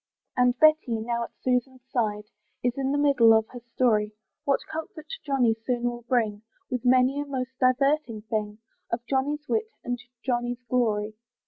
And Betty, now at Susan's side, Is in the middle of her story, What comfort Johnny soon will bring, With many a most diverting thing, Of Johnny's wit and Johnny's glory.